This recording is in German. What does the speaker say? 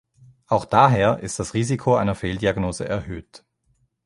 Auch daher ist das Risiko einer Fehldiagnose erhöht.